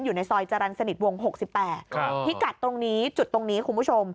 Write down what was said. อยู่ในซอยจรรย์สนิทวง๖๘พิกัดตรงนี้จุดตรงนี้คุณผู้ชม